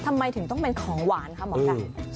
ทำไมถึงต้องเป็นของหวานคะหมอไก่